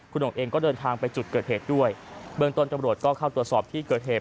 คุณหงเองก็เดินทางไปจุดเกิดเหตุด้วยเบื้องต้นตำรวจก็เข้าตรวจสอบที่เกิดเหตุ